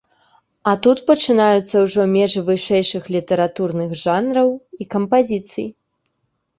А тут пачынаюцца ўжо межы вышэйшых літаратурных жанраў і кампазіцый.